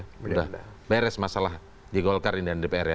sudah beres masalah di golkar dan di pr ya